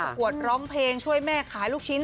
กวดร้องเพลงช่วยแม่ขายลูกชิ้น